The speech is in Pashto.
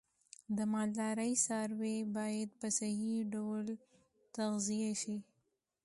د مالدارۍ څاروی باید په صحی ډول تغذیه شي.